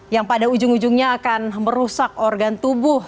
yang pada ujung ujungnya akan merusak organ tubuh